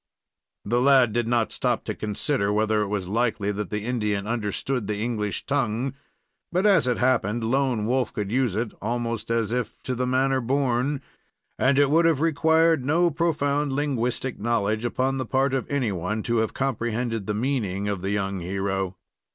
The lad did not stop to consider whether it was likely that the Indian understood the English tongue; but, as it happened, Lone Wolf could use it almost as if to the manner born; and it would have required no profound linguistic knowledge upon the part of anyone to have comprehended the meaning of the young hero.